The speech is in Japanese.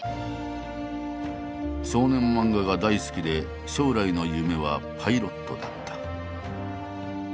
少年漫画が大好きで将来の夢はパイロットだった。